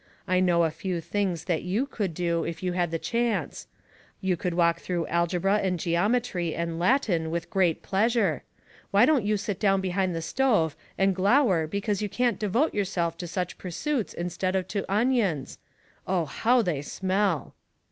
I know a few things that you could do if you had a chance^ You could walk through algebra and geometry and Latin with great pleasure. Why don't you sit down behind the stove and glower because you can't devote yourself to such pursuits in stead of to onions ? Oh, how they smell.'